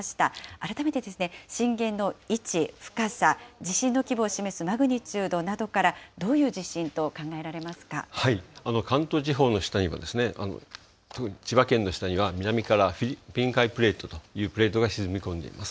改めてですね、震源の位置、深さ、地震の規模を示すマグニチュードなどから、どういう地震と考えら関東地方の下には、特に千葉県の下には南からフィリピン海プレートというプレートが沈み込んでいます。